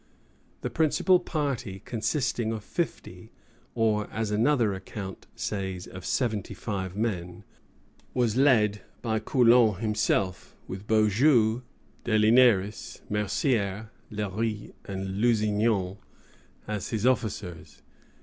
The principal party, consisting of fifty, or, as another account says, of seventy five men, was led by Coulon himself, with Beaujeu, Desligneris, Mercier, Léry, and Lusignan as his officers.